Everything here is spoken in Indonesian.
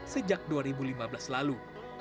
sejak dua ribu lima belas lalu